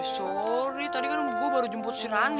sorry tadi kan gue baru jemput si rani